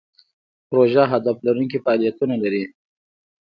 پروژه هدف لرونکي فعالیتونه لري.